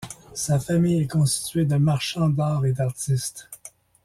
Sa famille est constituée de marchands d’art et d’artistes.